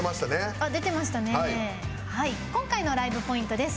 今回のライブポイントです。